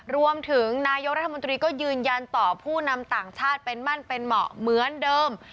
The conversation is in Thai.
รวมถึงนายกรัฐมนตรีก็ยืนยันต่อผู้นำต่างชาติเป็นมั่นเป็นเหมาะเหมือนเดิม